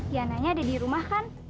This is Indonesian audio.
yana nya ada di rumah kan